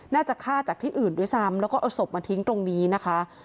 น่าจะฆ่าจากที่อื่นด้วยซ้ำแล้วก็เอาศพมาทิ้งตรงนี้นะคะ